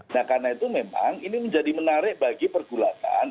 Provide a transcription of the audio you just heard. nah karena itu memang ini menjadi menarik bagi pergulatan